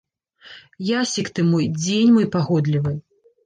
Ясік ты мой, дзень мой пагодлівы.